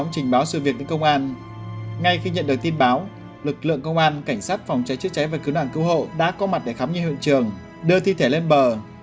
ngay khi nhận được tin báo lực lượng công an cảnh sát phòng cháy chữa cháy và cứu nạn cứu hộ đã có mặt để khám nghiệm hiện trường đưa thi thể lên bờ